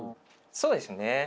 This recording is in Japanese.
そうですね。